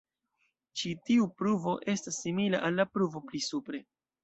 Ĉi tiu pruvo estas simila al la pruvo pli supre.